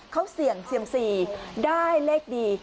เขาเสี่ยงเซียมซีได้เลขดี